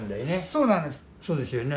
そうですよね